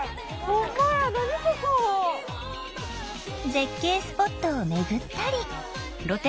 絶景スポットを巡ったり。